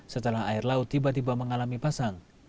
setelah air laut tiba tiba mengalami pasang